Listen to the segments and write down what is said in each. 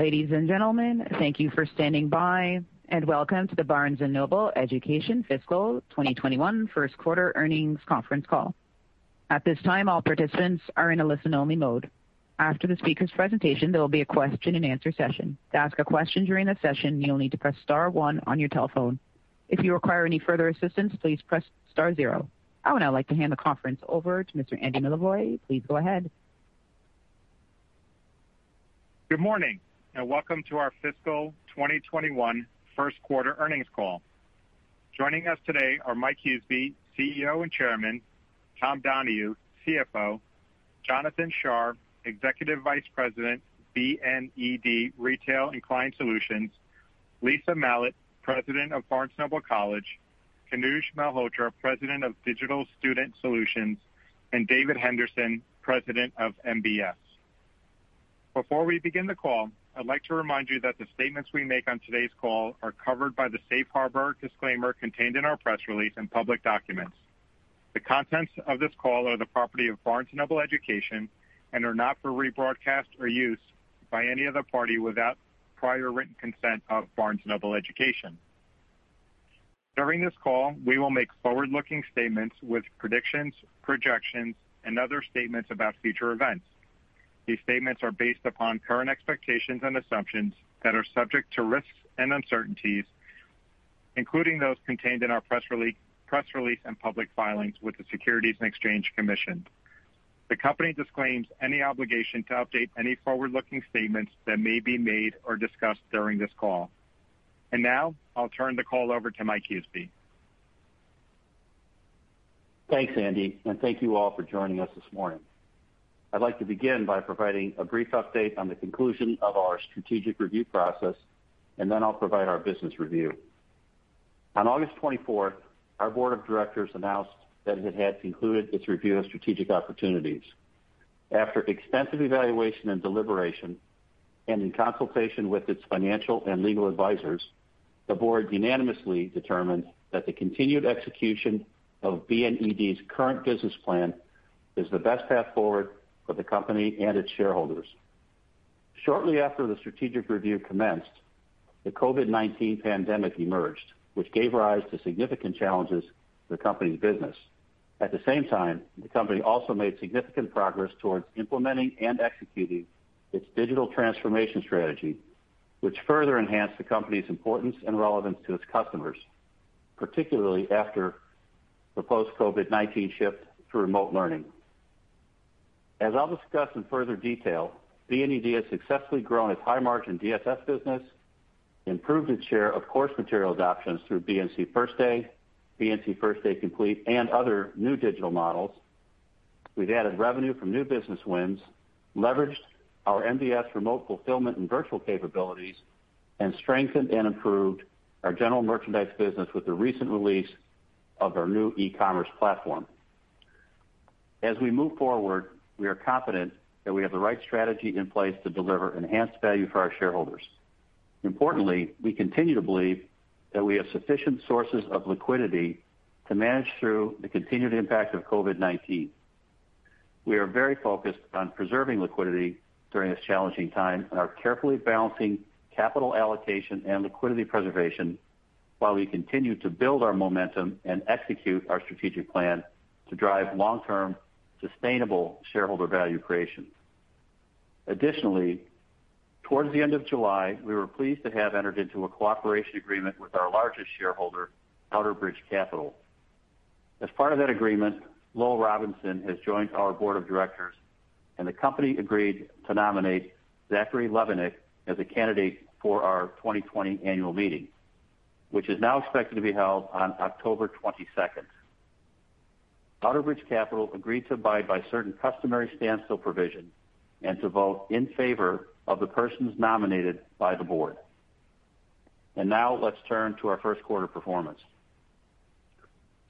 Ladies and gentlemen, thank you for standing by, and Welcome to the Barnes & Noble Education Fiscal 2021 First Quarter Earnings Conference Call. At this time, all participants are in a listen-only mode. After the speaker's presentation, there will be a question-and-answer session. To ask a question during the session, you'll need to press star one on your telephone. If you require any further assistance, please press star zero. I would now like to hand the conference over to Mr. Andy Milevoj. Please go ahead. Good morning, welcome to our fiscal 2021 first quarter earnings call. Joining us today are Mike Huseby, CEO and Chairman, Tom Donohue, CFO, Jonathan Shar, Executive Vice President, BNED Retail and Client Solutions, Lisa Malat, President of Barnes & Noble College, Kanuj Malhotra, President of Digital Student Solutions, and David Henderson, President of MBS. Before we begin the call, I'd like to remind you that the statements we make on today's call are covered by the safe harbor disclaimer contained in our press release and public documents. The contents of this call are the property of Barnes & Noble Education and are not for rebroadcast or use by any other party without prior written consent of Barnes & Noble Education. During this call, we will make forward-looking statements with predictions, projections, and other statements about future events. These statements are based upon current expectations and assumptions that are subject to risks and uncertainties, including those contained in our press release and public filings with the Securities and Exchange Commission. The company disclaims any obligation to update any forward-looking statements that may be made or discussed during this call. Now I'll turn the call over to Mike Huseby. Thanks, Andy. Thank you all for joining us this morning. I'd like to begin by providing a brief update on the conclusion of our strategic review process, and then I'll provide our business review. On August 24th, our board of directors announced that it had concluded its review of strategic opportunities. After extensive evaluation and deliberation, and in consultation with its financial and legal advisors, the board unanimously determined that the continued execution of BNED's current business plan is the best path forward for the company and its shareholders. Shortly after the strategic review commenced, the COVID-19 pandemic emerged, which gave rise to significant challenges to the company's business. At the same time, the company also made significant progress towards implementing and executing its digital transformation strategy, which further enhanced the company's importance and relevance to its customers, particularly after the post-COVID-19 shift to remote learning. As I'll discuss in further detail, BNED has successfully grown its high-margin DSS business, improved its share of course material adoptions through BNC First Day, BNC First Day Complete, and other new digital models. We've added revenue from new business wins, leveraged our MBS remote fulfillment and virtual capabilities, and strengthened and improved our general merchandise business with the recent release of our new e-commerce platform. As we move forward, we are confident that we have the right strategy in place to deliver enhanced value for our shareholders. Importantly, we continue to believe that we have sufficient sources of liquidity to manage through the continued impact of COVID-19. We are very focused on preserving liquidity during this challenging time and are carefully balancing capital allocation and liquidity preservation while we continue to build our momentum and execute our strategic plan to drive long-term, sustainable shareholder value creation. Additionally, towards the end of July, we were pleased to have entered into a cooperation agreement with our largest shareholder, Outerbridge Capital. As part of that agreement, Lowell Robinson has joined our board of directors. The company agreed to nominate Zachary Levenick as a candidate for our 2020 annual meeting, which is now expected to be held on October 22nd. Outerbridge Capital agreed to abide by certain customary standstill provisions and to vote in favor of the persons nominated by the board. Now let's turn to our first quarter performance.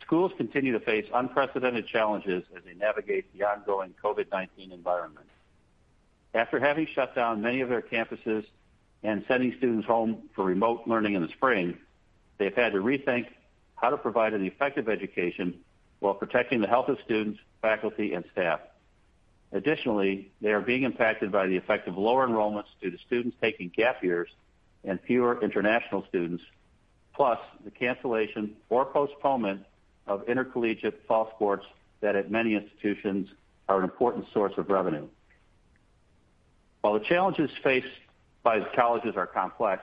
Schools continue to face unprecedented challenges as they navigate the ongoing COVID-19 environment. After having shut down many of their campuses and sending students home for remote learning in the spring, they've had to rethink how to provide an effective education while protecting the health of students, faculty, and staff. Additionally, they are being impacted by the effect of lower enrollments due to students taking gap years and fewer international students, plus the cancellation or postponement of intercollegiate fall sports that at many institutions are an important source of revenue. While the challenges faced by colleges are complex,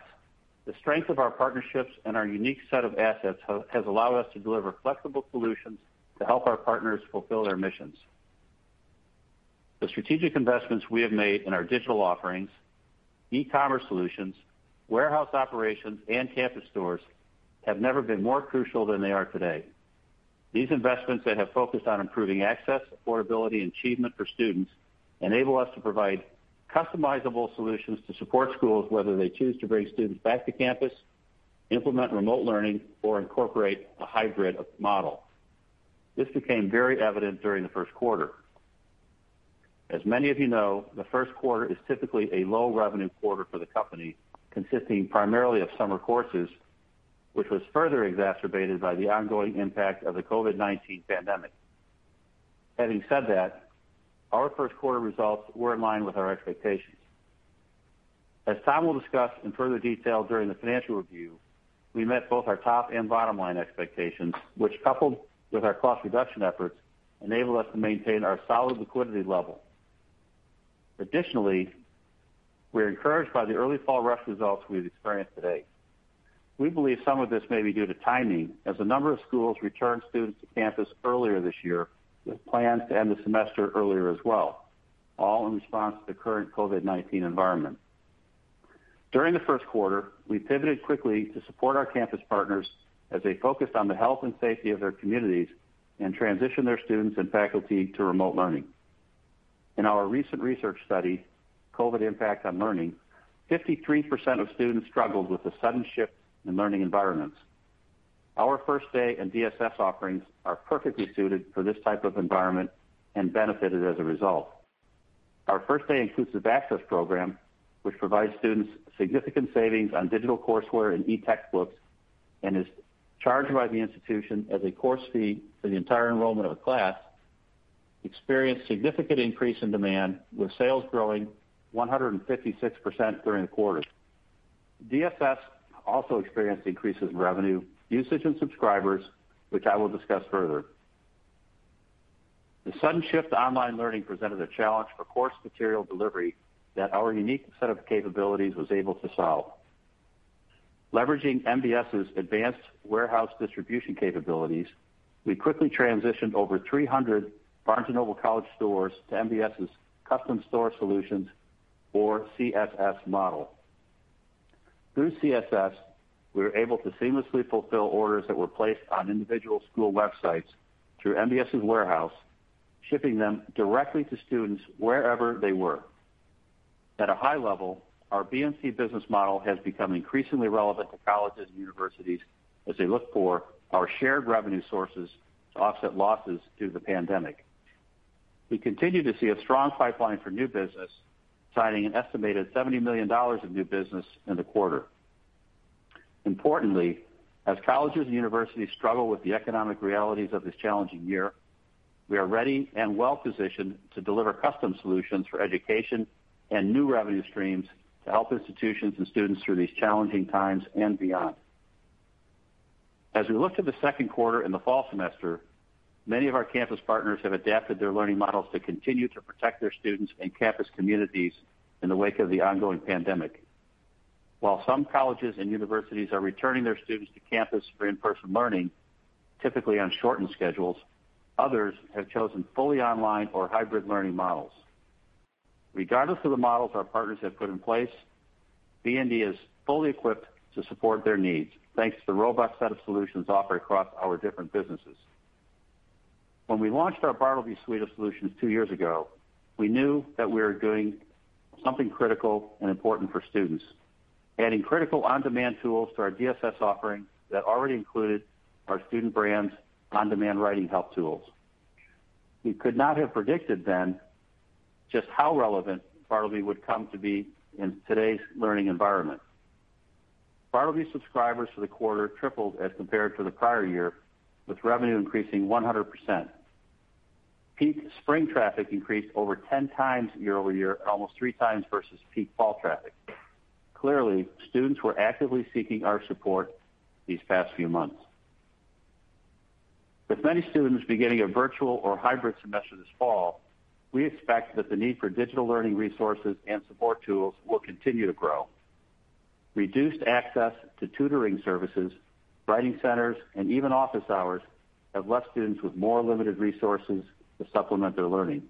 the strength of our partnerships and our unique set of assets has allowed us to deliver flexible solutions to help our partners fulfill their missions. The strategic investments we have made in our digital offerings, e-commerce solutions, warehouse operations, and campus stores have never been more crucial than they are today. These investments that have focused on improving access, affordability, and achievement for students enable us to provide customizable solutions to support schools, whether they choose to bring students back to campus, implement remote learning, or incorporate a hybrid model. This became very evident during the first quarter. As many of you know, the first quarter is typically a low-revenue quarter for the company, consisting primarily of summer courses, which was further exacerbated by the ongoing impact of the COVID-19 pandemic. Having said that, our first quarter results were in line with our expectations. As Tom will discuss in further detail during the financial review, we met both our top and bottom-line expectations, which coupled with our cost reduction efforts, enabled us to maintain our solid liquidity level. Additionally, we're encouraged by the early fall rush results we've experienced to date. We believe some of this may be due to timing, as a number of schools returned students to campus earlier this year with plans to end the semester earlier as well, all in response to the current COVID-19 environment. During the first quarter, we pivoted quickly to support our campus partners as they focused on the health and safety of their communities and transitioned their students and faculty to remote learning. In our recent research study, COVID Impact on Learning, 53% of students struggled with the sudden shift in learning environments. Our First Day and DSS offerings are perfectly suited for this type of environment and benefited as a result. Our First Day Inclusive Access program, which provides students significant savings on digital coursework and e-textbooks and is charged by the institution as a course fee for the entire enrollment of a class, experienced significant increase in demand, with sales growing 156% during the quarter. DSS also experienced increases in revenue, usage, and subscribers, which I will discuss further. The sudden shift to online learning presented a challenge for course material delivery that our unique set of capabilities was able to solve. Leveraging MBS's advanced warehouse distribution capabilities, we quickly transitioned over 300 Barnes & Noble College stores to MBS's Custom Store Solutions or CSS model. Through CSS, we were able to seamlessly fulfill orders that were placed on individual school websites through MBS's warehouse, shipping them directly to students wherever they were. At a high level, our BNC business model has become increasingly relevant to colleges and universities as they look for our shared revenue sources to offset losses due to the pandemic. We continue to see a strong pipeline for new business, signing an estimated $70 million of new business in the quarter. Importantly, as colleges and universities struggle with the economic realities of this challenging year, we are ready and well-positioned to deliver custom solutions for education and new revenue streams to help institutions and students through these challenging times and beyond. As we look to the second quarter and the fall semester, many of our campus partners have adapted their learning models to continue to protect their students and campus communities in the wake of the ongoing pandemic. While some colleges and universities are returning their students to campus for in-person learning, typically on shortened schedules, others have chosen fully online or hybrid learning models. Regardless of the models our partners have put in place, BNED is fully equipped to support their needs, thanks to the robust set of solutions offered across our different businesses. When we launched our Bartleby suite of solutions two years ago, we knew that we were doing something critical and important for students, adding critical on-demand tools to our DSS offerings that already included our Student Brands' on-demand writing help tools. We could not have predicted then just how relevant Bartleby would come to be in today's learning environment. Bartleby subscribers for the quarter tripled as compared to the prior year, with revenue increasing 100%. Peak spring traffic increased over 10x year-over-year and almost 3x versus peak fall traffic. Clearly, students were actively seeking our support these past few months. With many students beginning a virtual or hybrid semester this fall, we expect that the need for digital learning resources and support tools will continue to grow. Reduced access to tutoring services, writing centers, and even office hours have left students with more limited resources to supplement their learning.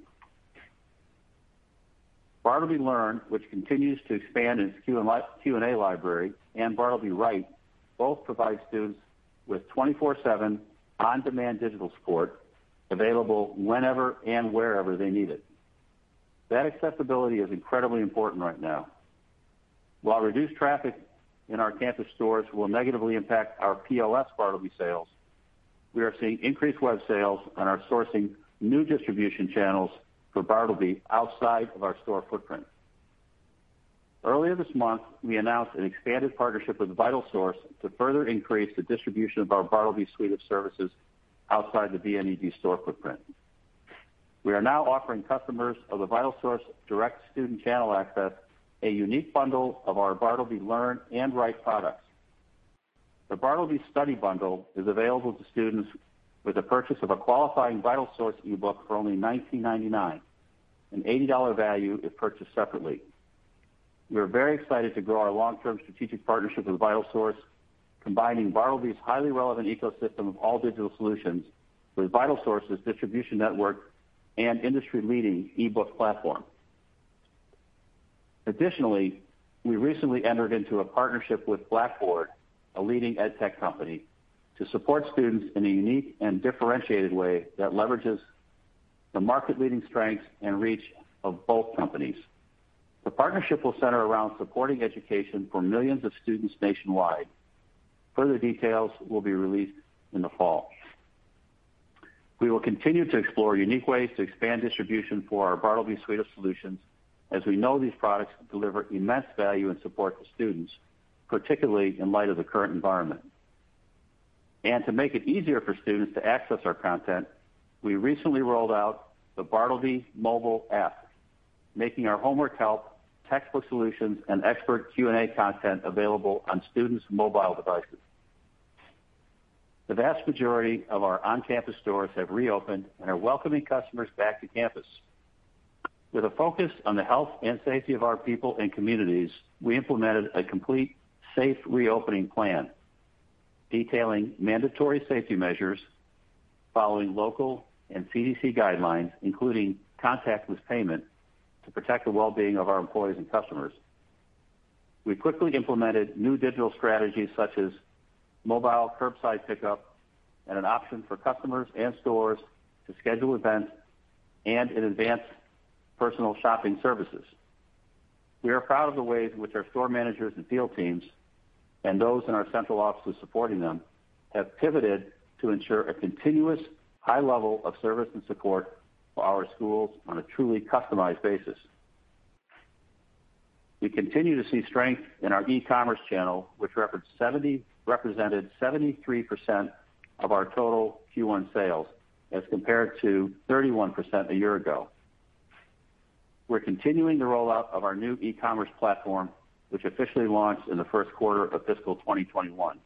Bartleby Learn, which continues to expand its Q&A library, and Bartleby Write both provide students with 24/7 on-demand digital support available whenever and wherever they need it. That accessibility is incredibly important right now. While reduced traffic in our campus stores will negatively impact our POS Bartleby sales, we are seeing increased web sales and are sourcing new distribution channels for Bartleby outside of our store footprint. Earlier this month, we announced an expanded partnership with VitalSource to further increase the distribution of our Bartleby suite of services outside the BNED store footprint. We are now offering customers of the VitalSource direct student channel access a unique bundle of our Bartleby Learn and write products. The Bartleby study bundle is available to students with the purchase of a qualifying VitalSource e-book for only $19.99, an $80 value if purchased separately. We are very excited to grow our long-term strategic partnership with VitalSource, combining Bartleby's highly relevant ecosystem of all-digital solutions with VitalSource's distribution network and industry-leading e-book platform. Additionally, we recently entered into a partnership with Blackboard, a leading ed tech company, to support students in a unique and differentiated way that leverages the market-leading strengths and reach of both companies. The partnership will center around supporting education for millions of students nationwide. Further details will be released in the fall. We will continue to explore unique ways to expand distribution for our Bartleby suite of solutions, as we know these products deliver immense value and support to students, particularly in light of the current environment. To make it easier for students to access our content, we recently rolled out the Bartleby mobile app, making our homework help, textbook solutions, and expert Q&A content available on students' mobile devices. The vast majority of our on-campus stores have reopened and are welcoming customers back to campus. With a focus on the health and safety of our people and communities, we implemented a complete safe reopening plan, detailing mandatory safety measures following local and CDC guidelines, including contactless payment to protect the well-being of our employees and customers. We quickly implemented new digital strategies such as mobile curbside pickup, an option for customers and stores to schedule events, in advance personal shopping services. We are proud of the ways in which our store managers and field teams. Those in our central offices supporting them, have pivoted to ensure a continuous high level of service and support for our schools on a truly customized basis. We continue to see strength in our e-commerce channel, which represented 73% of our total Q1 sales as compared to 31% a year ago. We're continuing the rollout of our new e-commerce platform, which officially launched in the first quarter of fiscal 2021.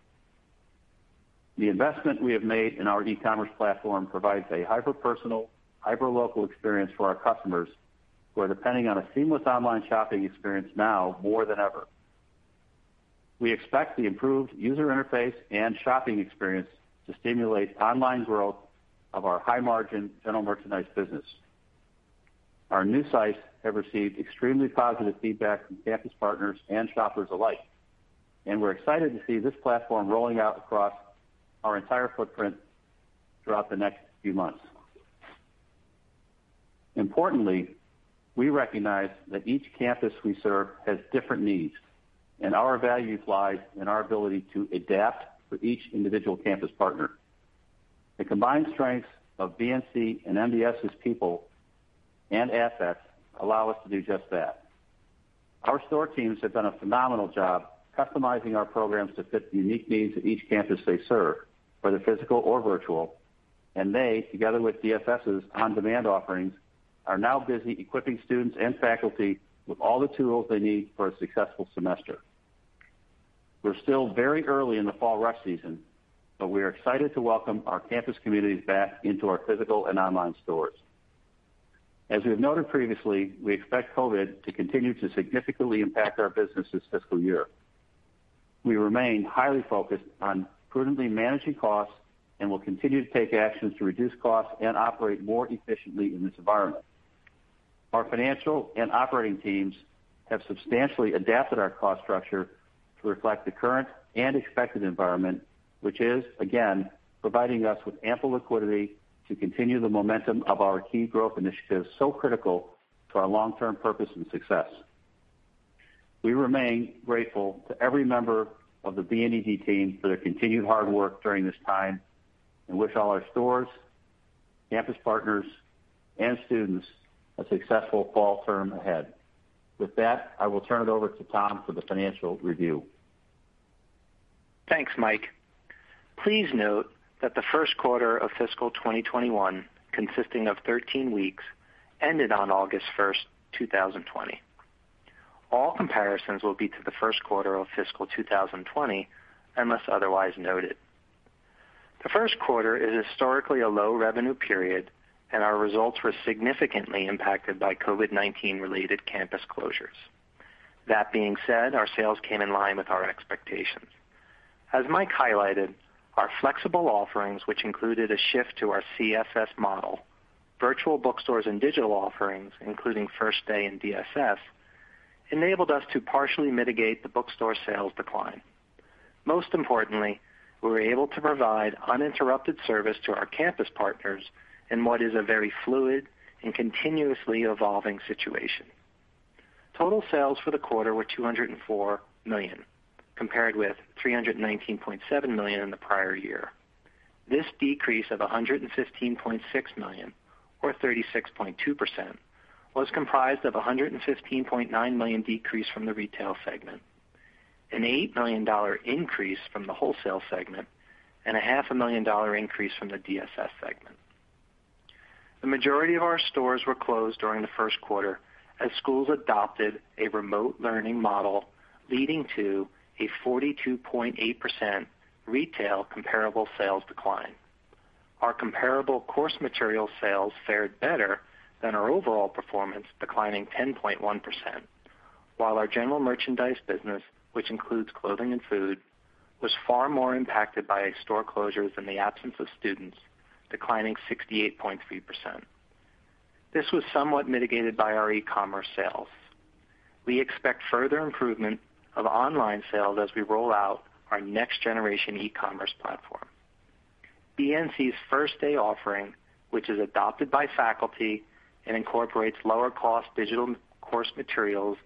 The investment we have made in our e-commerce platform provides a hyper-personal, hyper-local experience for our customers who are depending on a seamless online shopping experience now more than ever. We expect the improved user interface and shopping experience to stimulate online growth of our high margin general merchandise business. Our new sites have received extremely positive feedback from campus partners and shoppers alike, and we're excited to see this platform rolling out across our entire footprint throughout the next few months. Importantly, we recognize that each campus we serve has different needs, and our values lie in our ability to adapt for each individual campus partner. The combined strengths of BNC and MBS's people and assets allow us to do just that. Our store teams have done a phenomenal job customizing our programs to fit the unique needs of each campus they serve, whether physical or virtual, and they, together with DSS's on-demand offerings, are now busy equipping students and faculty with all the tools they need for a successful semester. We're still very early in the fall rush season, but we are excited to welcome our campus communities back into our physical and online stores. As we have noted previously, we expect COVID-19 to continue to significantly impact our business this fiscal year. We remain highly focused on prudently managing costs and will continue to take actions to reduce costs and operate more efficiently in this environment. Our financial and operating teams have substantially adapted our cost structure to reflect the current and expected environment, which is, again, providing us with ample liquidity to continue the momentum of our key growth initiatives so critical to our long-term purpose and success. We remain grateful to every member of the BNED team for their continued hard work during this time and wish all our stores, campus partners, and students a successful fall term ahead. With that, I will turn it over to Tom for the financial review. Thanks, Mike. Please note that the first quarter of fiscal 2021, consisting of 13 weeks, ended on August 1st, 2020. All comparisons will be to the first quarter of fiscal 2020, unless otherwise noted. The first quarter is historically a low revenue period, and our results were significantly impacted by COVID-19 related campus closures. That being said, our sales came in line with our expectations. As Mike highlighted, our flexible offerings, which included a shift to our CSS model, virtual bookstores, and digital offerings, including First Day and DSS, enabled us to partially mitigate the bookstore sales decline. Most importantly, we were able to provide uninterrupted service to our campus partners in what is a very fluid and continuously evolving situation. Total sales for the quarter were $204 million, compared with $319.7 million in the prior year. This decrease of $115.6 million, or 36.2%, was comprised of $115.9 million decrease from the retail segment, an $8 million increase from the wholesale segment, and a half a million dollar increase from the DSS segment. The majority of our stores were closed during the first quarter as schools adopted a remote learning model, leading to a 42.8% retail comparable sales decline. Our comparable course material sales fared better than our overall performance, declining 10.1%, while our general merchandise business, which includes clothing and food, was far more impacted by store closures and the absence of students, declining 68.3%. This was somewhat mitigated by our e-commerce sales. We expect further improvement of online sales as we roll out our next generation e-commerce platform. BNC's First Day offering, which is adopted by faculty and incorporates lower cost digital course materials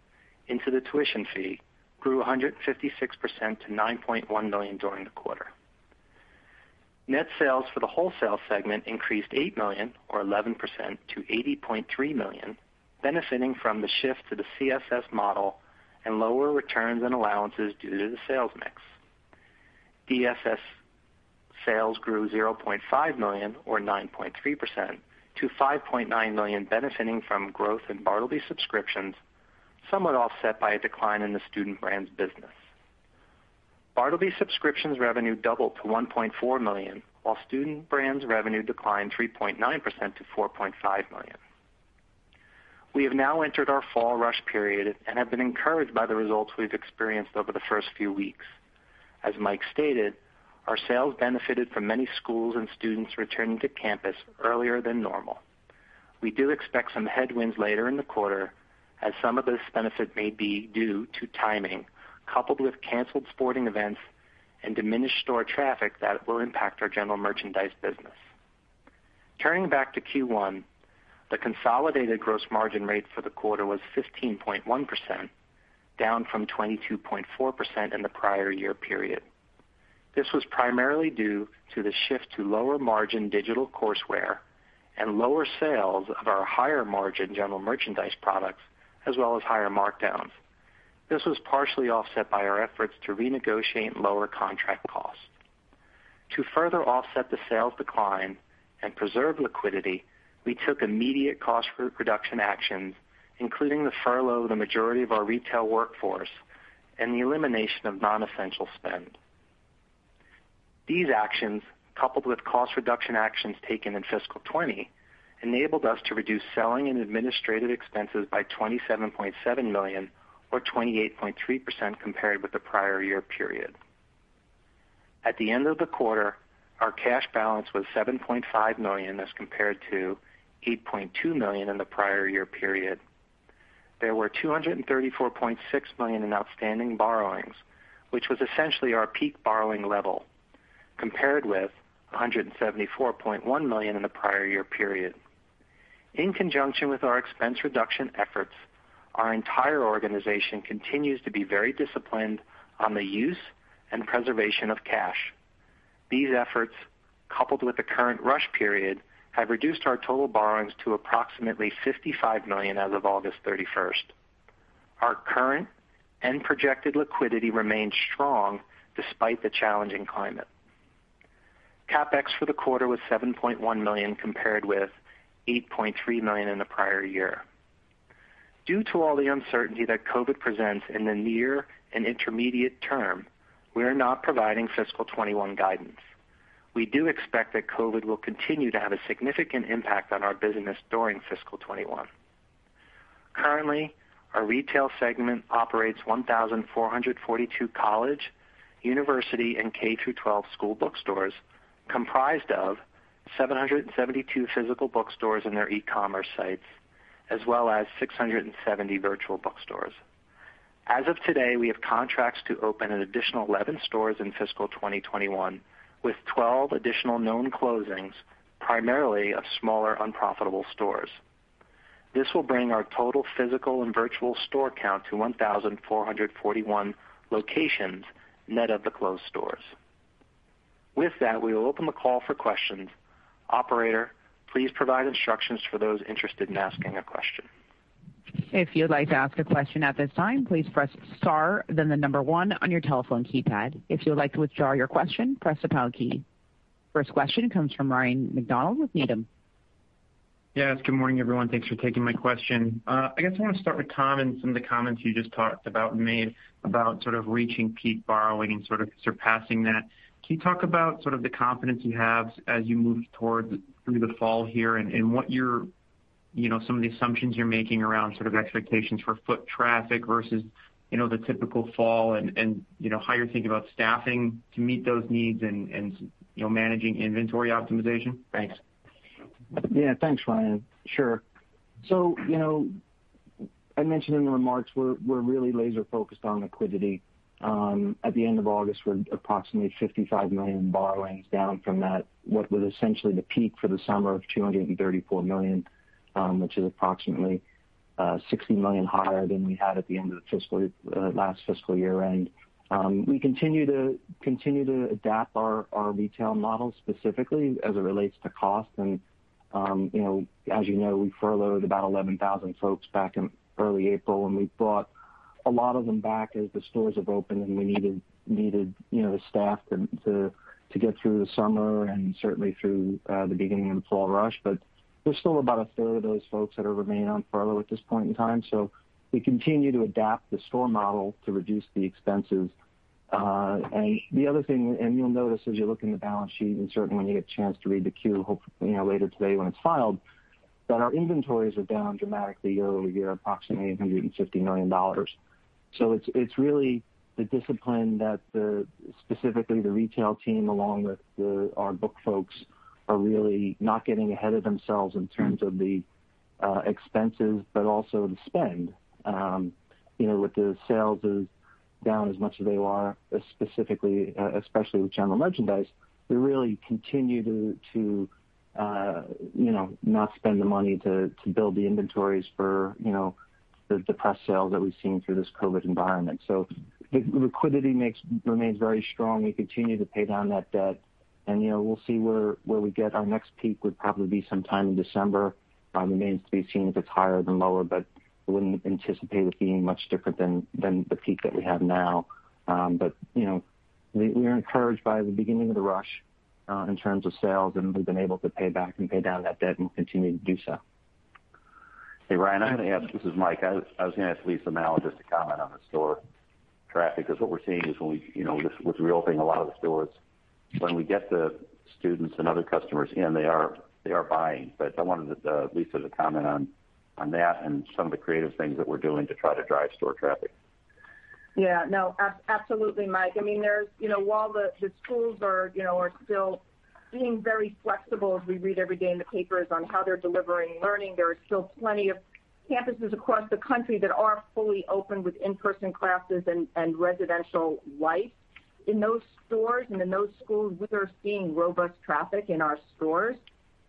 into the tuition fee, grew 156% to $9.1 million during the quarter. Net sales for the wholesale segment increased $8 million or 11% to $80.3 million, benefiting from the shift to the CSS model and lower returns and allowances due to the sales mix. DSS sales grew $0.5 million or 9.3% to $5.9 million, benefiting from growth in Bartleby subscriptions, somewhat offset by a decline in the Student Brands business. Bartleby subscriptions revenue doubled to $1.4 million, while Student Brands revenue declined 3.9% to $4.5 million. We have now entered our fall rush period and have been encouraged by the results we've experienced over the first few weeks. As Mike stated, our sales benefited from many schools and students returning to campus earlier than normal. We do expect some headwinds later in the quarter as some of this benefit may be due to timing, coupled with canceled sporting events and diminished store traffic that will impact our general merchandise business. Turning back to Q1, the consolidated gross margin rate for the quarter was 15.1%, down from 22.4% in the prior year period. This was primarily due to the shift to lower margin digital courseware and lower sales of our higher margin general merchandise products, as well as higher markdowns. This was partially offset by our efforts to renegotiate lower contract costs. To further offset the sales decline and preserve liquidity, we took immediate cost reduction actions, including the furlough of the majority of our retail workforce and the elimination of non-essential spend. These actions, coupled with cost reduction actions taken in fiscal 2020, enabled us to reduce selling and administrative expenses by $27.7 million or 28.3% compared with the prior year period. At the end of the quarter, our cash balance was $7.5 million as compared to $8.2 million in the prior year period. There were $234.6 million in outstanding borrowings, which was essentially our peak borrowing level, compared with $174.1 million in the prior year period. In conjunction with our expense reduction efforts, our entire organization continues to be very disciplined on the use and preservation of cash. These efforts, coupled with the current rush period, have reduced our total borrowings to approximately $55 million as of August 31st. Our current and projected liquidity remains strong despite the challenging climate. CapEx for the quarter was $7.1 million, compared with $8.3 million in the prior year. Due to all the uncertainty that COVID presents in the near and intermediate term, we are not providing fiscal 2021 guidance. We do expect that COVID will continue to have a significant impact on our business during fiscal 2021. Currently, our retail segment operates 1,442 college, university, and K-12 school bookstores comprised of 772 physical bookstores and their e-commerce sites, as well as 670 virtual bookstores. As of today, we have contracts to open an additional 11 stores in fiscal 2021, with 12 additional known closings, primarily of smaller, unprofitable stores. This will bring our total physical and virtual store count to 1,441 locations, net of the closed stores. With that, we will open the call for questions. Operator, please provide instructions for those interested in asking a question. If you would like to ask a question at this time, please press star then the number 1 on your telephone keypad. If you would like to withdraw your question, press the pound key. 1st question comes from Ryan MacDonald with Needham. Yes. Good morning, everyone. Thanks for taking my question. I guess I want to start with Tom and some of the comments you just talked about and made about sort of reaching peak borrowing and sort of surpassing that. Can you talk about sort of the confidence you have as you move through the fall here and some of the assumptions you're making around sort of expectations for foot traffic versus the typical fall and how you're thinking about staffing to meet those needs and managing inventory optimization? Thanks. Yeah. Thanks, Ryan. Sure. I mentioned in the remarks, we're really laser focused on liquidity. At the end of August, we're approximately $55 million borrowings down from that what was essentially the peak for the summer of $234 million, which is approximately $16 million higher than we had at the end of the last fiscal year-end. We continue to adapt our retail model specifically as it relates to cost. As you know, we furloughed about 11,000 folks back in early April, and we brought a lot of them back as the stores have opened, and we needed the staff to get through the summer and certainly through the beginning of the fall rush. There's still about a 3rd of those folks that are remaining on furlough at this point in time. We continue to adapt the store model to reduce the expenses. The other thing, you'll notice as you look in the balance sheet, and certainly when you get a chance to read the Q, hopefully later today when it's filed, that our inventories are down dramatically year-over-year, approximately $150 million. It's really the discipline that specifically the retail team along with our book folks are really not getting ahead of themselves in terms of the expenses, but also the spend. With the sales down as much as they are, especially with general merchandise, we really continue to not spend the money to build the inventories for the depressed sales that we've seen through this COVID-19 environment. The liquidity remains very strong. We continue to pay down that debt, and we'll see where we get. Our next peak would probably be some time in December. Remains to be seen if it's higher than lower, but I wouldn't anticipate it being much different than the peak that we have now. We're encouraged by the beginning of the rush in terms of sales, and we've been able to pay back and pay down that debt and continue to do so. Hey, Ryan, I'm going to ask, this is Mike. I was going to ask Lisa Malat just to comment on the store traffic. What we're seeing is with reopening a lot of the stores, when we get the students and other customers in, they are buying. I wanted Lisa to comment on that and some of the creative things that we're doing to try to drive store traffic. Yeah, no. Absolutely, Mike. While the schools are still being very flexible, as we read every day in the papers on how they're delivering learning, there are still plenty of campuses across the country that are fully open with in-person classes and residential life. In those stores and in those schools, we are seeing robust traffic in our stores,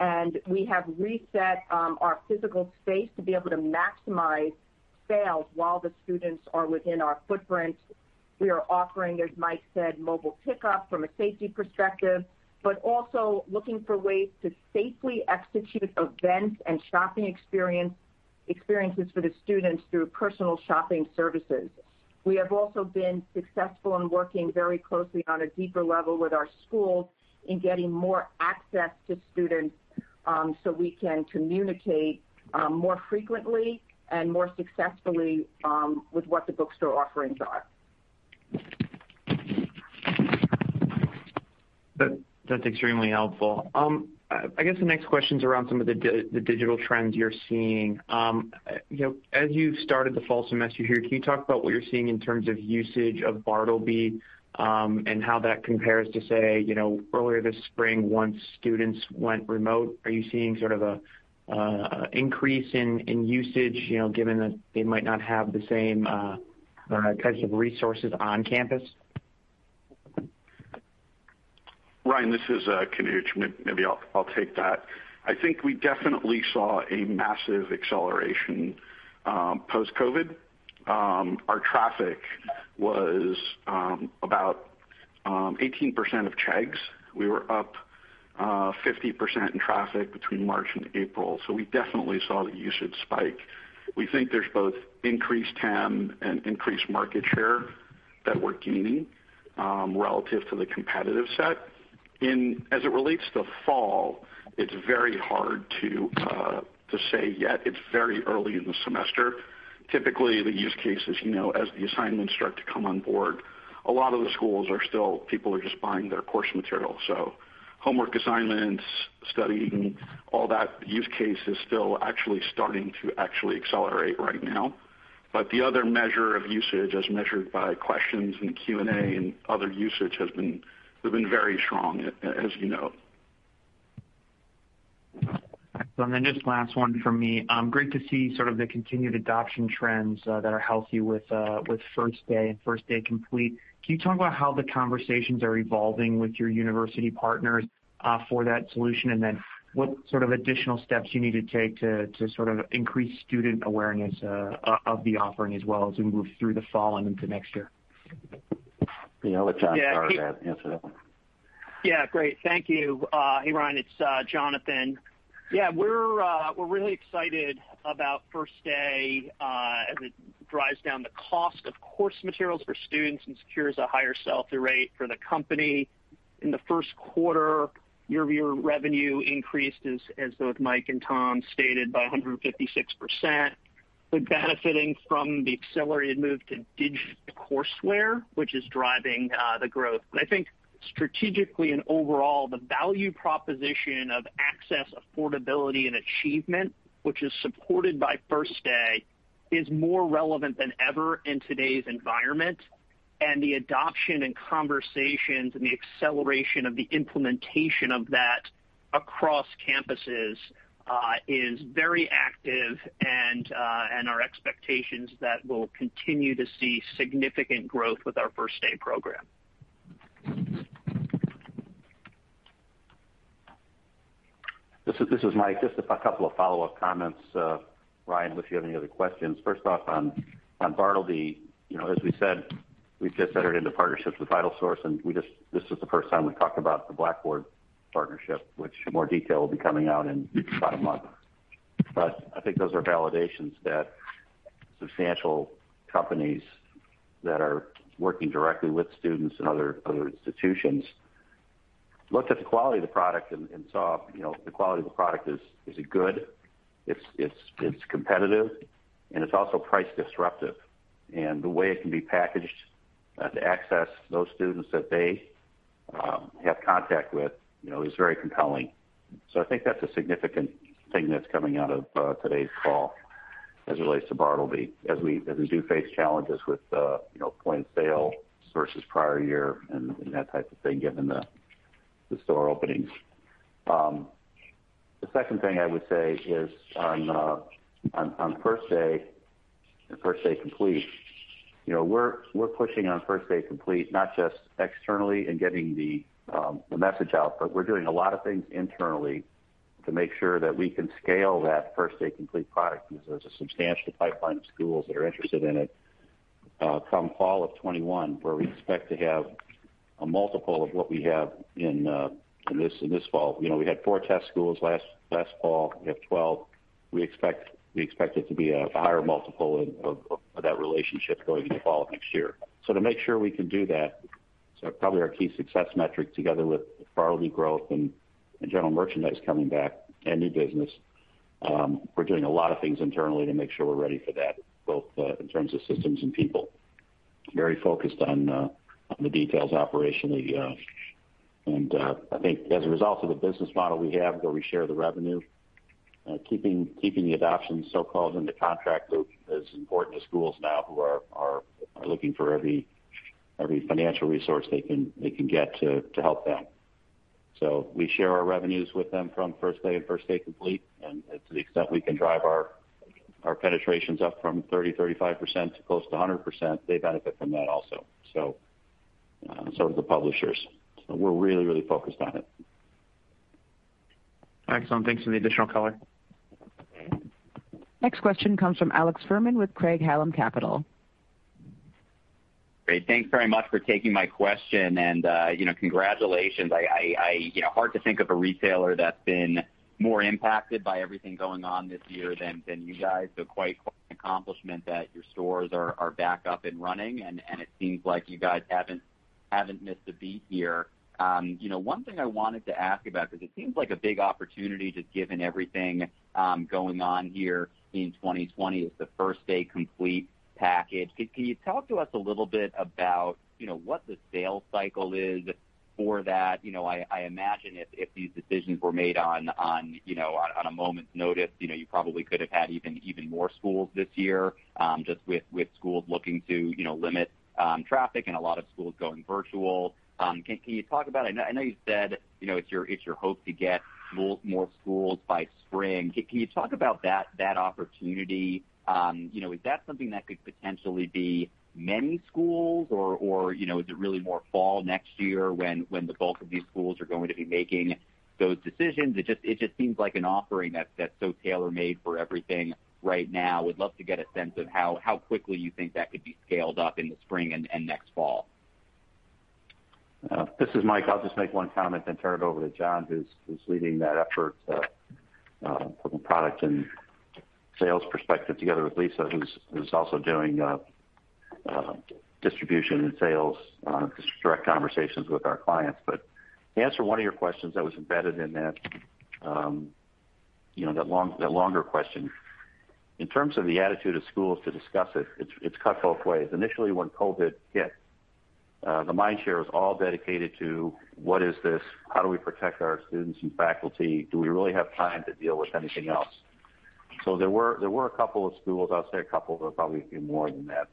and we have reset our physical space to be able to maximize sales while the students are within our footprint. We are offering, as Mike said, mobile pickup from a safety perspective, but also looking for ways to safely execute events and shopping experiences for the students through personal shopping services. We have also been successful in working very closely on a deeper level with our schools in getting more access to students so we can communicate more frequently and more successfully with what the bookstore offerings are. That's extremely helpful. I guess the next question's around some of the digital trends you're seeing. As you've started the fall semester here, can you talk about what you're seeing in terms of usage of Bartleby, and how that compares to, say, earlier this spring once students went remote? Are you seeing sort of an increase in usage, given that they might not have the same types of resources on campus? Ryan, this is Kanuj. Maybe I'll take that. I think we definitely saw a massive acceleration post-COVID. Our traffic was about 18% of Chegg's. We were up 50% in traffic between March and April. We definitely saw the usage spike. We think there's both increased TAM and increased market share that we're gaining relative to the competitive set. As it relates to fall, it's very hard to say yet. It's very early in the semester. Typically, the use case is as the assignments start to come on board, people are just buying their course material. Homework assignments, studying, all that use case is still actually starting to accelerate right now. The other measure of usage, as measured by questions in Q&A and other usage has been very strong, as you know. Just last one from me. Great to see sort of the continued adoption trends that are healthy with First Day and First Day Complete. Can you talk about how the conversations are evolving with your university partners for that solution? What sort of additional steps you need to take to sort of increase student awareness of the offering as well as we move through the fall and into next year? Yeah, I'll let Jonathan Shar answer that one. Great. Thank you. Hey, Ryan, it's Jonathan. We're really excited about First Day as it drives down the cost of course materials for students and secures a higher sell-through rate for the company. In the first quarter, year-over-year revenue increased, as both Mike and Tom stated, by 156%, with benefiting from the accelerated move to digital courseware, which is driving the growth. I think strategically and overall, the value proposition of access, affordability, and achievement, which is supported by First Day, is more relevant than ever in today's environment. The adoption and conversations and the acceleration of the implementation of that across campuses is very active and our expectation is that we'll continue to see significant growth with our First Day program. This is Mike. Just a couple of follow-up comments, Ryan MacDonald, if you have any other questions. 1st off, on Bartleby, as we said, we just entered into partnerships with VitalSource. This is the 1st time we've talked about the Blackboard partnership, which more detail will be coming out in about a month. I think those are validations that substantial companies that are working directly with students and other institutions looked at the quality of the product and saw the quality of the product is good, it's competitive, and it's also price-disruptive. The way it can be packaged to access those students that they have contact with is very compelling. I think that's a significant thing that's coming out of today's call as it relates to Bartleby, as we do face challenges with point-of-sale versus prior year and that type of thing, given the store openings. The 2nd thing I would say is on First Day and First Day Complete. We're pushing on First Day Complete, not just externally in getting the message out, but we're doing a lot of things internally to make sure that we can scale that First Day Complete product because there's a substantial pipeline of schools that are interested in it come fall of 2021, where we expect to have a multiple of what we have in this fall. We had four test schools last fall. We have 12. We expect it to be a higher multiple of that relationship going into fall of next year. To make sure we can do that, probably our key success metric together with Bartleby growth and general merchandise coming back and new business, we're doing a lot of things internally to make sure we're ready for that, both in terms of systems and people. Very focused on the details operationally. I think as a result of the business model we have where we share the revenue, keeping the adoption so-called in the contract is important to schools now who are looking for every financial resource they can get to help them. We share our revenues with them from First Day and First Day Complete, and to the extent we can drive our penetrations up from 30%, 35% to close to 100%, they benefit from that also. Do the publishers. We're really focused on it. Excellent. Thanks for the additional color. Next question comes from Alex Fuhrman with Craig-Hallum Capital. Great. Thanks very much for taking my question, and congratulations. Hard to think of a retailer that's been more impacted by everything going on this year than you guys. Quite an accomplishment that your stores are back up and running. It seems like you guys haven't missed a beat here. One thing I wanted to ask about, because it seems like a big opportunity, just given everything going on here in 2020, is the First Day Complete package. Can you talk to us a little bit about what the sales cycle is for that? I imagine if these decisions were made on a moment's notice, you probably could have had even more schools this year, just with schools looking to limit traffic and a lot of schools going virtual. Can you talk about it? I know you said it's your hope to get more schools by spring. Can you talk about that opportunity? Is that something that could potentially be many schools, or is it really more fall next year when the bulk of these schools are going to be making those decisions? It just seems like an offering that's so tailor-made for everything right now. Would love to get a sense of how quickly you think that could be scaled up in the spring and next fall. This is Mike. I'll just make one comment, then turn it over to Jon, who's leading that effort from a product and sales perspective, together with Lisa, who's also doing distribution and sales, just direct conversations with our clients. To answer one of your questions that was embedded in that longer question. In terms of the attitude of schools to discuss it's cut both ways. Initially, when COVID hit, the mind share was all dedicated to what is this? How do we protect our students and faculty? Do we really have time to deal with anything else? There were a couple of schools, I'll say a couple, there were probably a few more than that,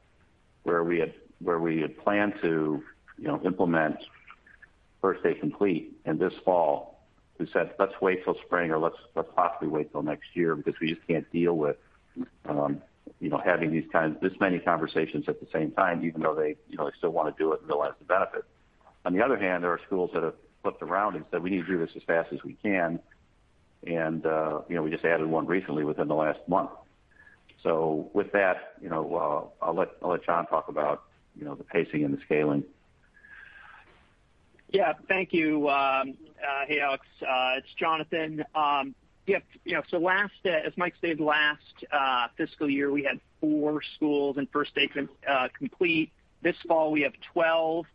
where we had planned to implement First Day Complete in this fall, who said, "Let's wait till spring, or let's possibly wait till next year because we just can't deal with having this many conversations at the same time," even though they still want to do it and realize the benefit. On the other hand, there are schools that have flipped around and said, "We need to do this as fast as we can," and we just added one recently within the last month. With that, I'll let Jon talk about the pacing and the scaling. Yeah. Thank you. Hey, Alex. It's Jonathan. As Mike said, last fiscal year, we had four schools in First Day Complete. This fall, we have 12,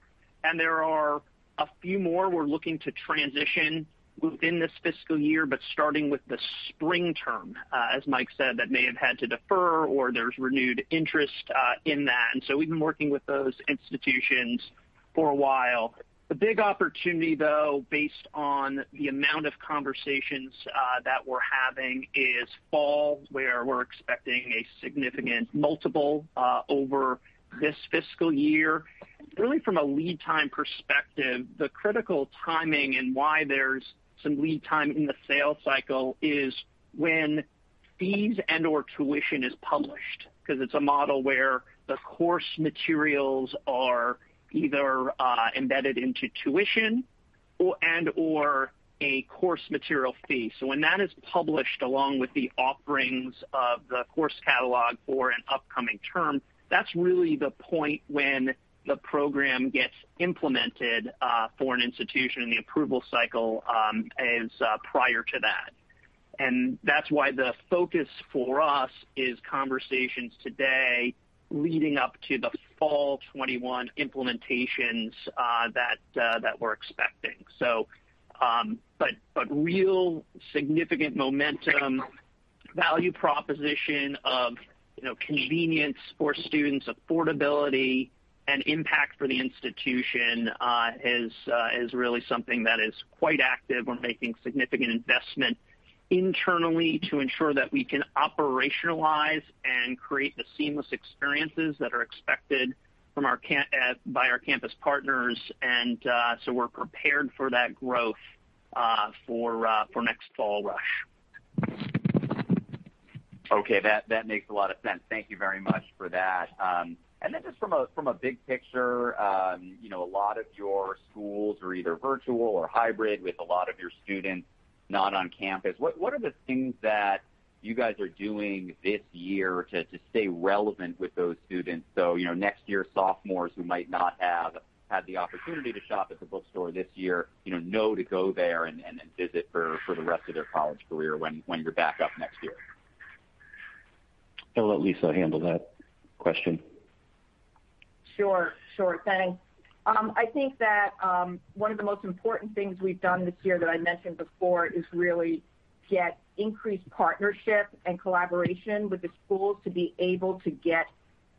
and there are a few more we're looking to transition within this fiscal year, but starting with the spring term. As Mike said, that may have had to defer, or there's renewed interest in that. We've been working with those institutions for a while. The big opportunity, though, based on the amount of conversations that we're having, is fall, where we're expecting a significant multiple over this fiscal year. Really, from a lead time perspective, the critical timing and why there's some lead time in the sales cycle is when fees and/or tuition is published, because it's a model where the course materials are either embedded into tuition and/or a course material fee. When that is published, along with the offerings of the course catalog for an upcoming term, that's really the point when the program gets implemented for an institution, and the approval cycle is prior to that. That's why the focus for us is conversations today leading up to the fall 2021 implementations that we're expecting. Real significant momentum, value proposition of convenience for students, affordability, and impact for the institution is really something that is quite active. We're making significant investment internally to ensure that we can operationalize and create the seamless experiences that are expected by our campus partners. We're prepared for that growth for next fall rush. Okay. That makes a lot of sense. Thank you very much for that. Just from a big picture, a lot of your schools are either virtual or hybrid with a lot of your students not on campus. What are the things that you guys are doing this year to stay relevant with those students? Next year, sophomores who might not have had the opportunity to shop at the bookstore this year, know to go there and then visit for the rest of their college career when you're back up next year. I'll let Lisa handle that question. Sure thing. I think that one of the most important things we've done this year that I mentioned before is really get increased partnership and collaboration with the schools to be able to get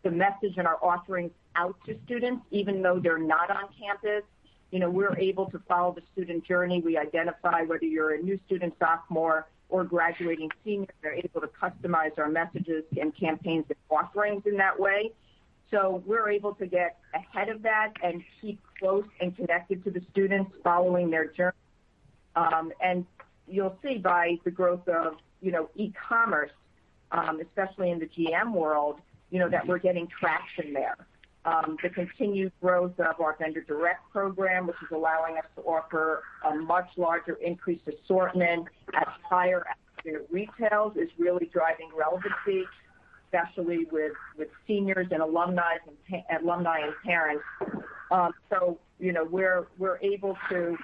the message and our offerings out to students, even though they're not on campus. We're able to follow the student journey. We identify whether you're a new student, sophomore, or graduating senior. We're able to customize our messages and campaigns and offerings in that way. We're able to get ahead of that and keep close and connected to the students following their journey. You'll see by the growth of e-commerce, especially in the GM world, that we're getting traction there. The continued growth of our vendor direct program, which is allowing us to offer a much larger increased assortment at higher accurate retails, is really driving relevancy, especially with seniors and alumni and parents. We're able to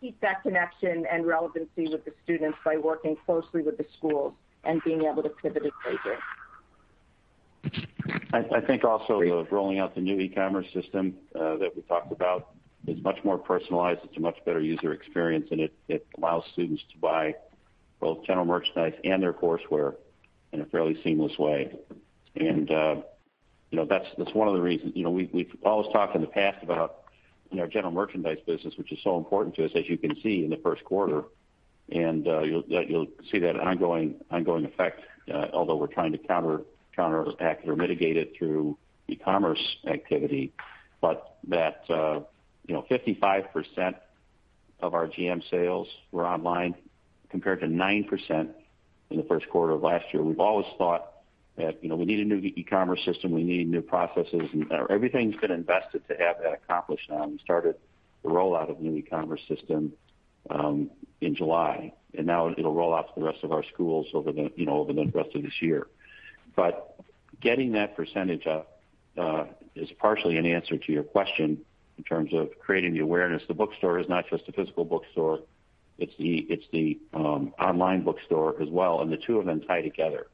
keep that connection and relevancy with the students by working closely with the schools and being able to pivot as they do. I think also the rolling out the new e-commerce system that we talked about is much more personalized. It's a much better user experience. It allows students to buy both general merchandise and their courseware in a fairly seamless way. That's one of the reasons. We've always talked in the past about our general merchandise business, which is so important to us, as you can see in the first quarter. You'll see that ongoing effect, although we're trying to counteract or mitigate it through e-commerce activity. That 55% of our GM sales were online compared to 9% in the first quarter of last year. We've always thought that we need a new e-commerce system, we need new processes. Everything's been invested to have that accomplished now. We started the rollout of the new e-commerce system in July, and now it'll roll out to the rest of our schools over the rest of this year. Getting that percentage up is partially an answer to your question in terms of creating the awareness. The bookstore is not just a physical bookstore, it's the online bookstore as well, and the two of them tie together.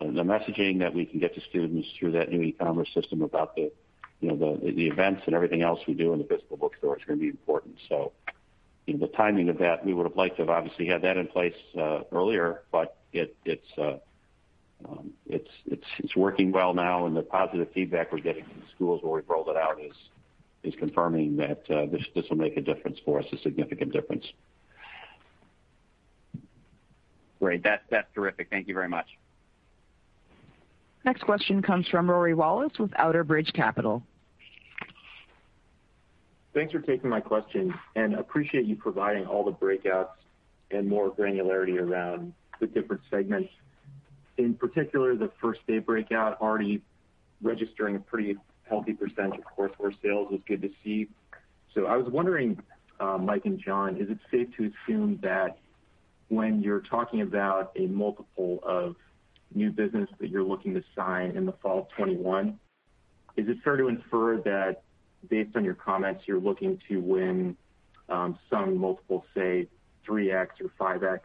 The messaging that we can get to students through that new e-commerce system about the events and everything else we do in the physical bookstore is going to be important. The timing of that, we would've liked to have obviously had that in place earlier, but it's working well now and the positive feedback we're getting from the schools where we've rolled it out is confirming that this will make a difference for us, a significant difference. Great. That's terrific. Thank you very much. Next question comes from Rory Wallace with Outerbridge Capital. Thanks for taking my question and appreciate you providing all the breakouts and more granularity around the different segments. In particular, the First Day breakout already registering a pretty healthy percentage of courseware sales is good to see. I was wondering, Mike and Jon, is it safe to assume that when you're talking about a multiple of new business that you're looking to sign in the fall of 2021, is it fair to infer that based on your comments, you're looking to win some multiple, say 3x or 5x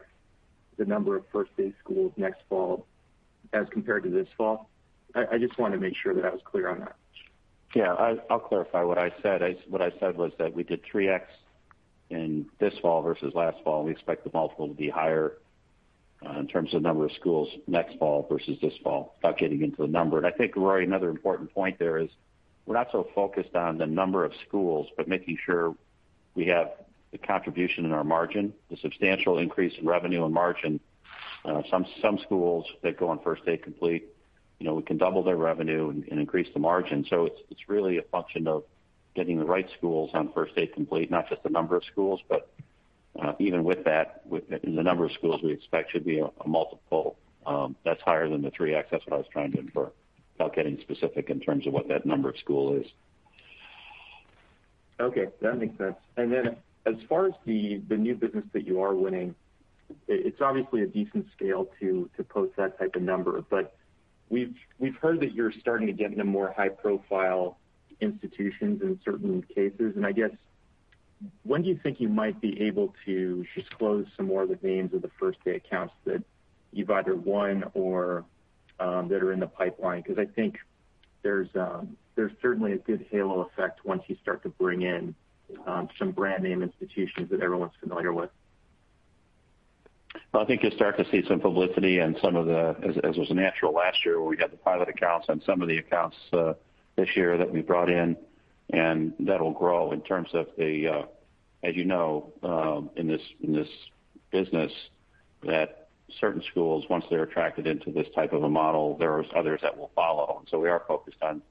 the number of First Day schools next fall as compared to this fall? I just want to make sure that I was clear on that. Yeah. I'll clarify what I said. What I said was that we did 3x in this fall versus last fall, and we expect the multiple to be higher in terms of the number of schools next fall versus this fall, without getting into a number. I think, Rory, another important point there is we're not so focused on the number of schools, but making sure we have the contribution in our margin, the substantial increase in revenue and margin. Some schools that go on First Day Complete, we can double their revenue and increase the margin. It's really a function of getting the right schools on First Day Complete, not just the number of schools, but even with that, the number of schools we expect should be a multiple that's higher than the 3x. That's what I was trying to infer without getting specific in terms of what that number of school is. Okay, that makes sense. As far as the new business that you are winning, it's obviously a decent scale to post that type of number, but we've heard that you're starting to get into more high-profile institutions in certain cases, and I guess when do you think you might be able to disclose some more of the names of the First Day accounts that you've either won or that are in the pipeline? I think there's certainly a good halo effect once you start to bring in some brand name institutions that everyone's familiar with. I think you'll start to see some publicity and some of the, as was natural last year where we got the pilot accounts and some of the accounts this year that we brought in. That'll grow in terms of the, as you know, in this business that certain schools, once they're attracted into this type of a model, there's others that will follow. We are focused on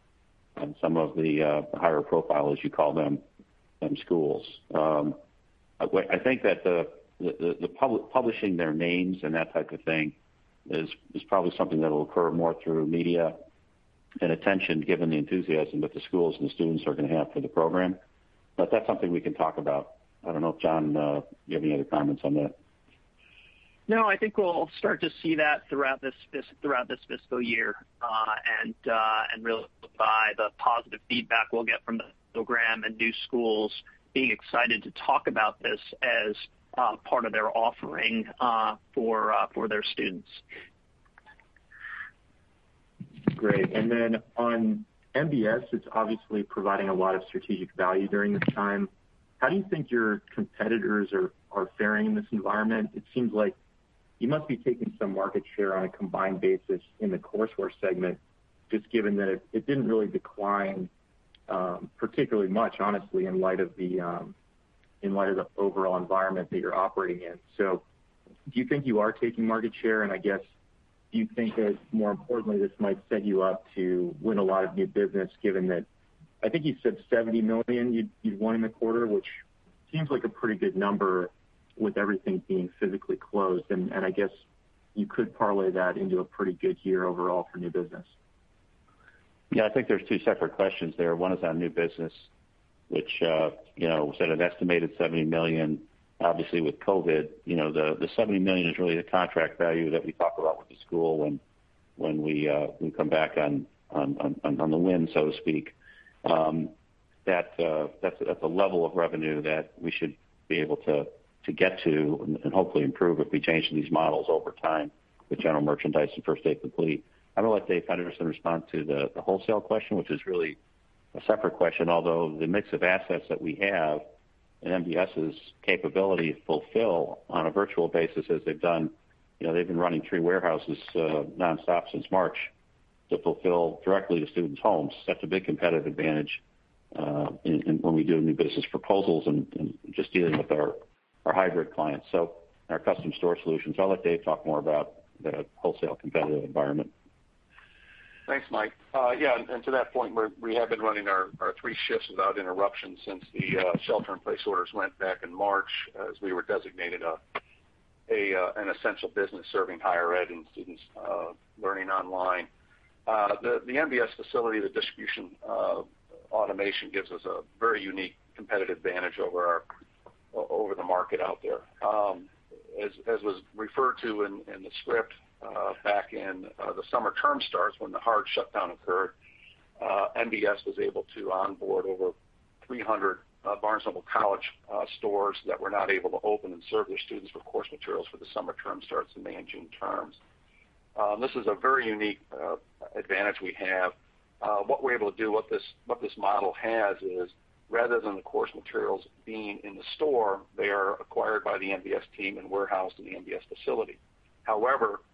some of the higher profile, as you call them schools. I think that publishing their names and that type of thing is probably something that'll occur more through media and attention, given the enthusiasm that the schools and the students are going to have for the program. That's something we can talk about. I don't know if, John, you have any other comments on that. No, I think we'll start to see that throughout this fiscal year, and really by the positive feedback we'll get from the program and new schools being excited to talk about this as part of their offering for their students. Great. Then on MBS, it's obviously providing a lot of strategic value during this time. How do you think your competitors are faring in this environment? It seems like you must be taking some market share on a combined basis in the courseware segment, just given that it didn't really decline particularly much, honestly, in light of the overall environment that you're operating in. Do you think you are taking market share? I guess, do you think that more importantly, this might set you up to win a lot of new business, given that I think you said $70 million you'd won in the quarter, which seems like a pretty good number with everything being physically closed. I guess you could parlay that into a pretty good year overall for new business. I think there's two separate questions there. One is on new business, which we said an estimated $70 million. Obviously with COVID-19, the $70 million is really the contract value that we talk about with the school when we come back on the win, so to speak. That's a level of revenue that we should be able to get to and hopefully improve if we change these models over time with General Merchandise and First Day Complete. I'm going to let Dave Henderson respond to the wholesale question, which is really a separate question although the mix of assets that we have and MBS's capability to fulfill on a virtual basis as they've done. They've been running three warehouses nonstop since March to fulfill directly to students' homes. That's a big competitive advantage when we do new business proposals and just dealing with our hybrid clients, our Custom Store Solutions. I'll let Dave talk more about the wholesale competitive environment. Thanks, Mike. To that point, we have been running our three shifts without interruption since the shelter-in-place orders went back in March, as we were designated an essential business serving higher ed and students learning online. The MBS facility, the distribution automation gives us a very unique competitive advantage over the market out there. Was referred to in the script, back in the summer term starts when the hard shutdown occurred, MBS was able to onboard over 300 Barnes & Noble College stores that were not able to open and serve their students with course materials for the summer term starts in May and June terms. This is a very unique advantage we have. What we're able to do, what this model has is rather than the course materials being in the store, they are acquired by the MBS team and warehoused in the MBS facility. However, the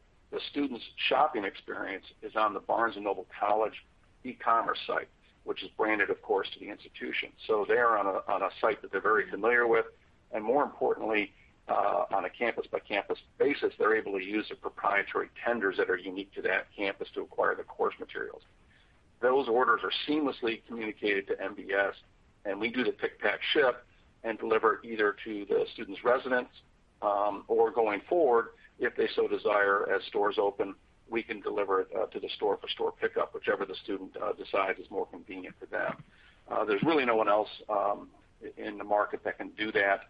student's shopping experience is on the Barnes & Noble College e-commerce site, which is branded, of course, to the institution. They're on a site that they're very familiar with, and more importantly, on a campus-by-campus basis, they're able to use the proprietary tenders that are unique to that campus to acquire the course materials. Those orders are seamlessly communicated to MBS, and we do the pick, pack, ship, and deliver either to the student's residence or going forward, if they so desire as stores open, we can deliver it to the store for store pickup, whichever the student decides is more convenient for them. There's really no one else in the market that can do that.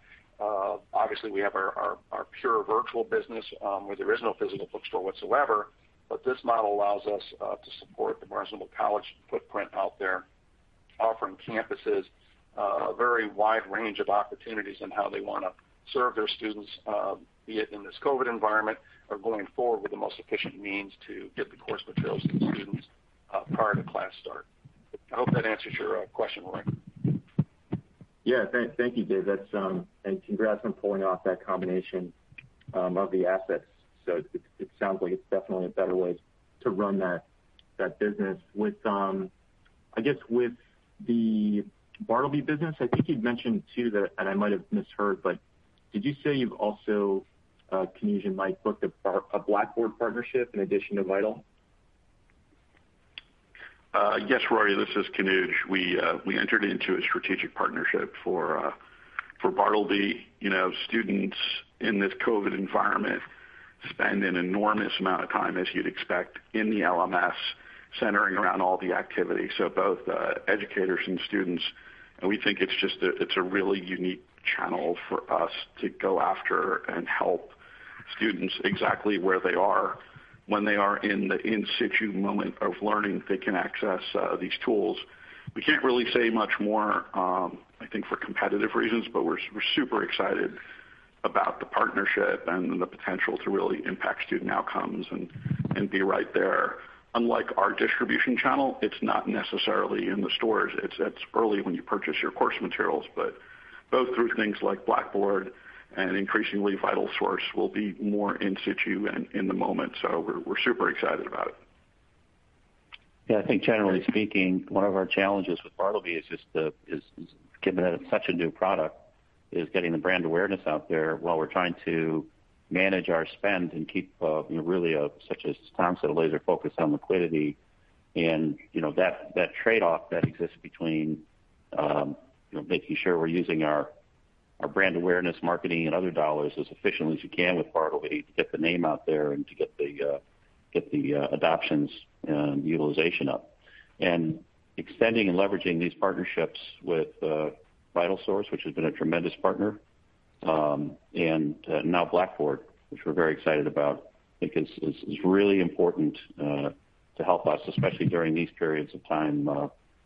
Obviously, we have our pure virtual business where there is no physical bookstore whatsoever, but this model allows us to support the Barnes & Noble College footprint out there, offering campuses a very wide range of opportunities in how they want to serve their students be it in this COVID-19 environment or going forward with the most efficient means to get the course materials to students prior to class start. I hope that answers your question, Rory. Thank you, Dave. Congrats on pulling off that combination of the assets. It sounds like it's definitely a better way to run that business. I guess with the Bartleby business, I think you'd mentioned too, and I might have misheard, but did you say you've also, Kanuj and Mike, booked a Blackboard partnership in addition to Vital? Yes, Rory. This is Kanuj. We entered into a strategic partnership for Bartleby. Students in this COVID-19 environment spend an enormous amount of time, as you'd expect, in the LMS centering around all the activity. Both educators and students, and we think it's a really unique channel for us to go after and help students exactly where they are. When they are in the in situ moment of learning, they can access these tools. We can't really say much more, I think, for competitive reasons, but we're super excited about the partnership and the potential to really impact student outcomes and be right there. Unlike our distribution channel, it's not necessarily in the stores. It's early when you purchase your course materials. Both through things like Blackboard and increasingly VitalSource will be more in situ and in the moment, so we're super excited about it. I think generally speaking, one of our challenges with Bartleby is given that it's such a new product, is getting the brand awareness out there while we're trying to manage our spend and keep really, such as Tom said, laser focused on liquidity. That trade-off that exists between making sure we're using our brand awareness marketing and other dollars as efficiently as we can with Bartleby to get the name out there and to get the adoptions and utilization up. Extending and leveraging these partnerships with VitalSource, which has been a tremendous partner, and now Blackboard, which we're very excited about, I think is really important to help us, especially during these periods of time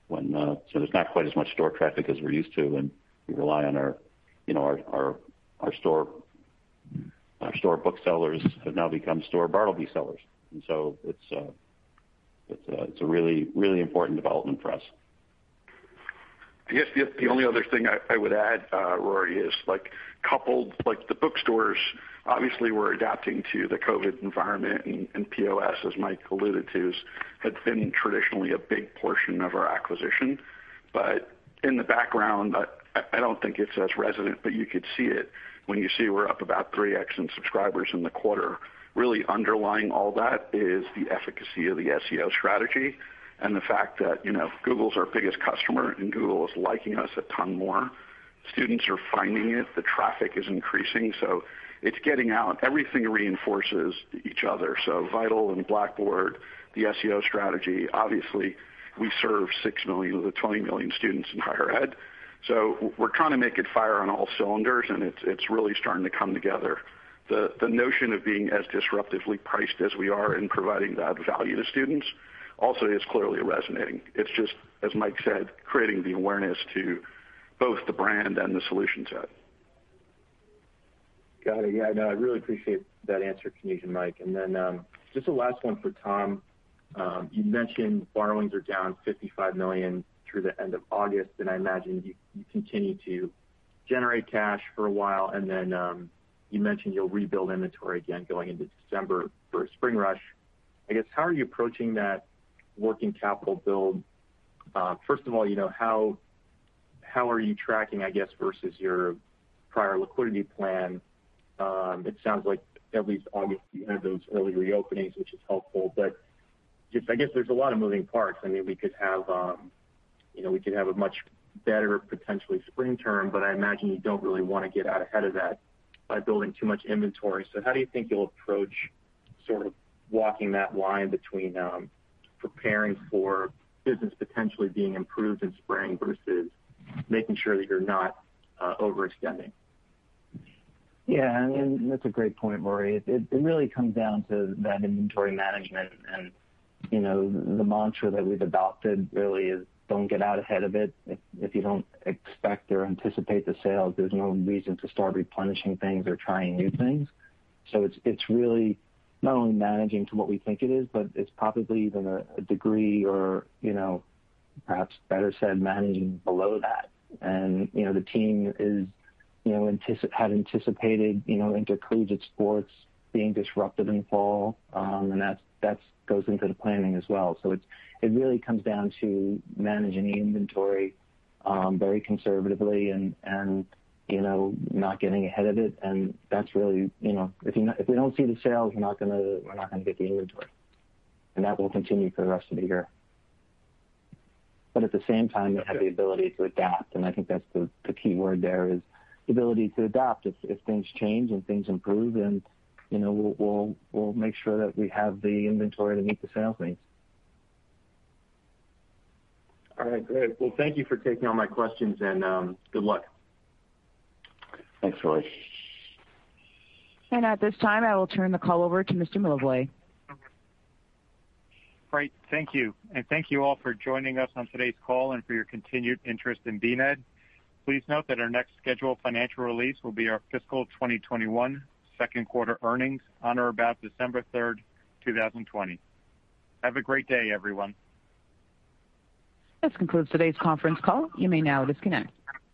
when there's not quite as much store traffic as we're used to, and we rely on our store booksellers have now become store Bartleby sellers. It's a really important development for us. I guess the only other thing I would add, Rory, is the bookstores obviously were adapting to the COVID-19 environment, and POS, as Mike alluded to, had been traditionally a big portion of our acquisition. In the background, I don't think it's as resonant, but you could see it when you see we're up about 3x in subscribers in the quarter. Really underlying all that is the efficacy of the SEO strategy and the fact that Google's our biggest customer. Google is liking us a ton more. Students are finding it. The traffic is increasing. It's getting out. Everything reinforces each other. VitalSource and Blackboard, the SEO strategy, obviously, we serve 6 million of the 20 million students in higher ed. We're trying to make it fire on all cylinders. It's really starting to come together. The notion of being as disruptively priced as we are in providing that value to students also is clearly resonating. It's just, as Mike said, creating the awareness to both the brand and the solution set. Got it. Yeah, no, I really appreciate that answer, Kanuj and Mike. Just the last one for Tom. You mentioned borrowings are down $55 million through the end of August, and I imagine you continue to generate cash for a while, and then you mentioned you'll rebuild inventory again going into December for spring rush. I guess, how are you approaching that working capital build? First of all, how are you tracking, I guess, versus your prior liquidity plan? It sounds like at least August, you had those early reopening's which is helpful, but just I guess there's a lot of moving parts. We could have a much better potentially spring term, but I imagine you don't really want to get out ahead of that by building too much inventory. How do you think you'll approach sort of walking that line between preparing for business potentially being improved in spring versus making sure that you're not overextending? Yeah, that's a great point, Rory. It really comes down to that inventory management, and the mantra that we've adopted really is don't get out ahead of it. If you don't expect or anticipate the sales, there's no reason to start replenishing things or trying new things. It's really not only managing to what we think it is, but it's probably even a degree or perhaps better said, managing below that. The team had anticipated intercollegiate sports being disrupted in fall, and that goes into the planning as well. It really comes down to managing the inventory very conservatively and not getting ahead of it. If we don't see the sales, we're not going to get the inventory. That will continue for the rest of the year. At the same time, we have the ability to adapt, and I think that's the key word there is the ability to adapt. If things change and things improve, then we'll make sure that we have the inventory to meet the sales needs. All right, great. Thank you for taking all my questions, and good luck. Thanks, Rory. At this time, I will turn the call over to Mr. Milevoj. Great. Thank you. Thank you all for joining us on today's call and for your continued interest in BNED. Please note that our next scheduled financial release will be our fiscal 2021 second quarter earnings on or about December 3rd, 2020. Have a great day, everyone. This concludes today's conference call. You may now disconnect.